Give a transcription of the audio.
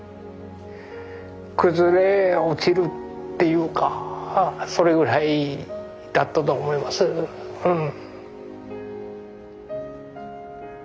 崩れ落ちるっていうかそれぐらいだったと思いますうん。